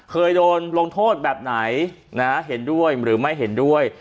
เคยโดนลงโทษแบบไหนเห็นด้วยหรือไม่เห็นด้วย